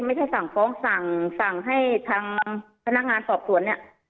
สั่งฟ้องสั่งสั่งให้ทางพนักงานสอบสวนเนี่ย